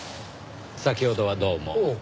先ほどはどうも。